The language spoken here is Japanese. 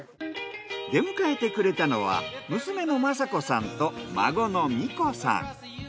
出迎えてくれたのは娘の真子さんと孫の珠子さん。